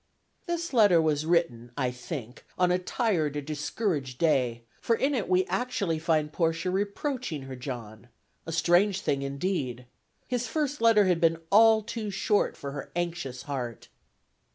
This letter was written (I think) on a tired or discouraged day, for in it we actually find Portia reproaching her John, a strange thing indeed. His first letter had been all too short for her anxious heart.